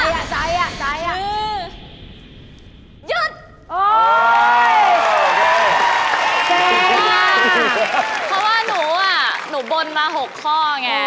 เพราะว่าหนูบ่นมาหกข้อไง